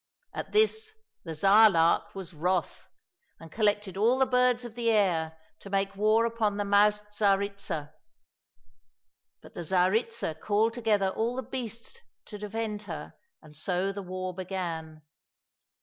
At this the Tsar lark was wrath, and collected all the birds of the air to make war upon the mouse Tsaritsa ; but the Tsaritsa called together all the beasts to defend her, and so the war began.